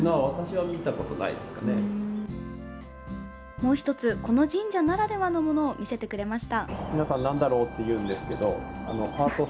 もう１つこの神社ならではのものを見せてくれました。